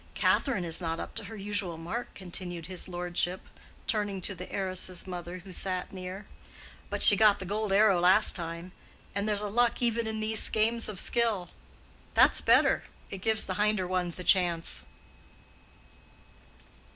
Catherine is not up to her usual mark," continued his lordship, turning to the heiress's mother who sat near. "But she got the gold arrow last time. And there's a luck even in these games of skill. That's better. It gives the hinder ones a chance."